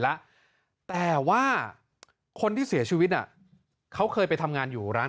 แล้วแต่ว่าคนที่เสียชีวิตน่ะเขาเคยไปทำงานอยู่ร้าน